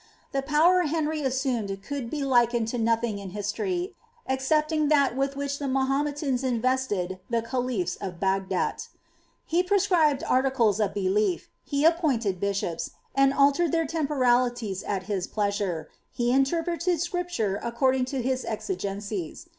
The power Henry assumed could be likened to nothing in history, excepting that with which the Maho metans invested the khaliffi of Bagdat He prescribed articles of belief^ he appointed bishops, and altered their temporalities at his pleasure;* he interpreted Scripture according to his exigencies.